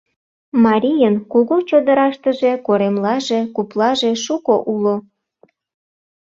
Марийын кугу чодыраштыже коремлаже, куплаже шуко уло.